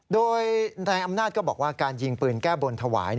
โดยนายอำนาจก็บอกว่าการยิงปืนแก้บนถวาย